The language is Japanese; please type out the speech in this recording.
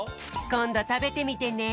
こんどたべてみてね。